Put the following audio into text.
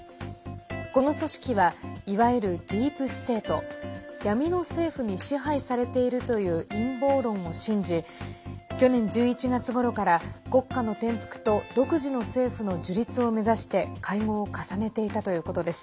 この組織は、いわゆるディープ・ステート＝闇の政府に支配されているという陰謀論を信じ去年１１月ごろから国家の転覆と独自の政府の樹立を目指して会合を重ねていたということです。